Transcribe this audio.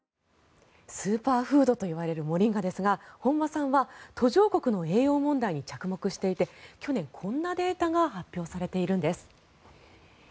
スーパーフードと呼ばれるモリンガですが本間さんは途上国の栄養問題に着目していて去年、こんなデータが発表されているんです。